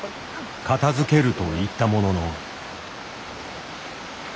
片づけると言ったものの。